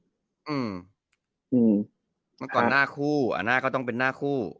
เมื่อก่อนหน้าคู่หน้าก็ต้องเป็นหน้าคู่